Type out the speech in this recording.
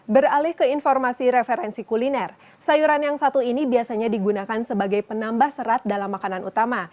beralih ke informasi referensi kuliner sayuran yang satu ini biasanya digunakan sebagai penambah serat dalam makanan utama